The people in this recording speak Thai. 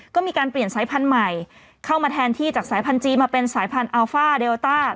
ก็มีการเปลี่ยนสายพันธุ์ใหม่เข้ามาแทนที่จากสายพันธุจีนมาเป็นสายพันธุอัลฟ่าเดลต้า